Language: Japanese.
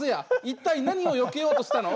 一体何をよけようとしたの？！